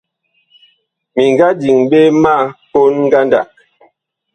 Mi nga diŋ ɓe ma kon ngandag.